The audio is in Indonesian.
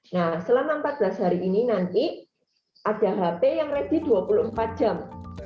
nah selama empat belas hari ini nanti ada hp yang ready dua puluh empat jam